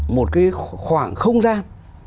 một cái khoảng không gian